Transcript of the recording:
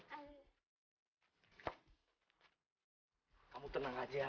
kamu tenang aja